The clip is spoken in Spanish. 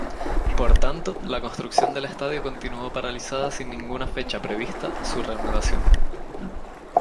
Por tanto la construcción del estadio continuó paralizada sin ninguna fecha prevista su reanudación.